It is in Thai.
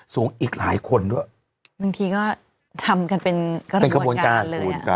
สูงอีกหลายคนด้วยบางทีก็ทำกันเป็นเป็นกระบวนการสึง